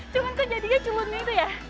cuma kejadiannya cuman gitu ya